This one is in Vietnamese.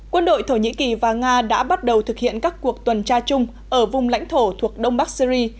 quân đội thổ nhĩ kỳ và nga đã bắt đầu thực hiện các cuộc tuần tra chung ở vùng lãnh thổ thuộc đông bắc syri